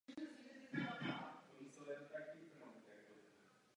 Provozoval továrnu na klarinety.